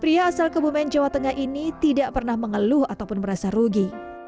pria asal kebumen jawa tengah ini tidak pernah mengeluh ataupun merasa rugi